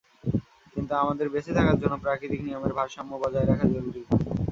কিন্তু আমাদের বঁেচে থাকার জন্য প্রাকৃতিক নিয়মের ভারসাম্য বজায় রাখা জরুরি।